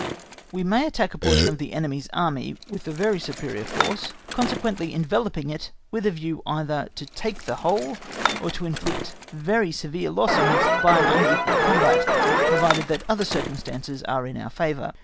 We may attack a portion of the enemy's Army with a very superior force, consequently enveloping it with a view either to take the whole, or to inflict very severe loss on it by an unequal combat, provided that other circumstances are in our favour.